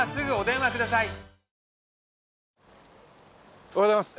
おはようございます。